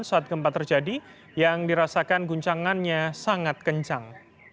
dan saat gempa terjadi yang dirasakan guncangannya sangat kencang